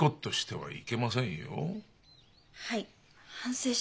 はい？